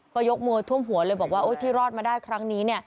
ก็ยกมวยท่วมหัวเลยบอกว่าที่รอดมาได้ครั้งนี้